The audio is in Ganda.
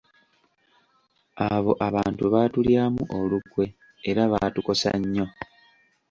Abo abantu baatulyamu olukwe era baatukosa nnyo.